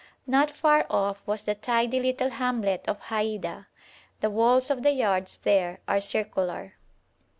Not far off was the tidy little hamlet of Haida. The walls of the yards there are circular.